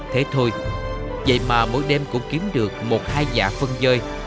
thế thôi vậy mà mỗi đêm cũng kiếm được một hai giả phân dơi